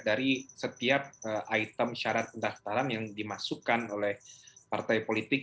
dari setiap item syarat pendaftaran yang dimasukkan oleh partai politik